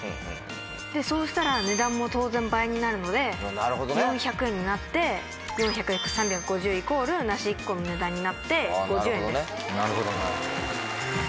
でそうしたら値段も当然倍になるので４００円になって４００−３５０＝梨１個の値段になって５０円です。